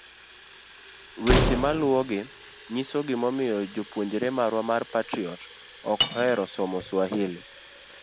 Weche maluwogi nyiso gimomiyo jopuonjre marwa mar Patriot ok ohero somo Swahili.